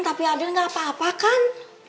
tapi aden gak apa apa kan